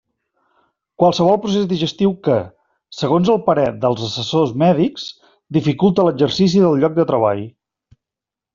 Qualsevol procés digestiu que, segons el parer dels assessors mèdics, dificulte l'exercici del lloc de treball.